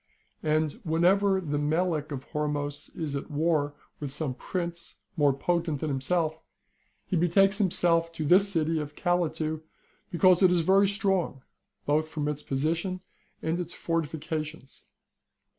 And whenever the Melik of Hormos is at war with some prince more potent than himself, he betakes himself to this city of Calatu, because it is very strong, both from its position and its fortifications.'